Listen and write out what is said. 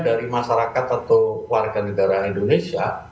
dari masyarakat atau warga negara indonesia